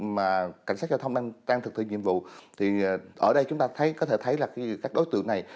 mà cảnh sát giao thông đang thực thi nhiệm vụ thì ở đây chúng ta thấy có thể thấy là các đối tượng này